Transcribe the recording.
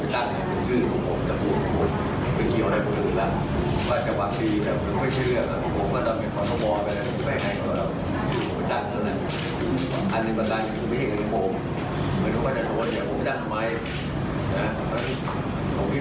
แล้วแล้วแกรียมเราไม่ร่วมบอกแต่ไม่มีใครอาจจะรักเราอย่างไร